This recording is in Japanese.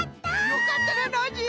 よかったなノージー。